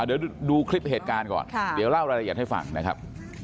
เดี๋ยวดูคลิปเหตุการณ์ก่อนเดี๋ยวเล่ารายละเอียดให้ฟังนะครับ